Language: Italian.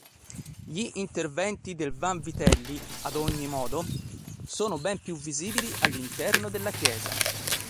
Gli interventi del Vanvitelli, ad ogni modo, sono ben più visibili all'interno della chiesa.